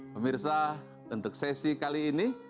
pemirsa untuk sesi kali ini